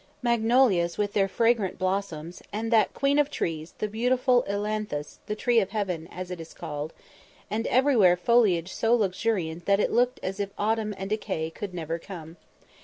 ] magnolias with their fragrant blossoms, and that queen of trees the beautiful ilanthus, the "tree of heaven" as it is called; and everywhere foliage so luxuriant that it looked as if autumn and decay could never come.